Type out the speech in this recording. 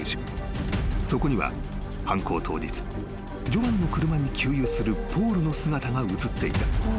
［そこには犯行当日ジョアンの車に給油するポールの姿が映っていた］